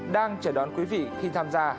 đang chờ đón quý vị khi tham gia